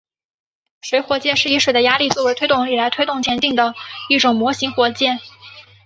水火箭是以水的压力作为推动力来推动前进的一种模型火箭。